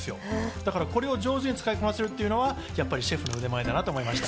これを上手に使いこなせるというのは、やっぱりシェフの腕前だなと思いました。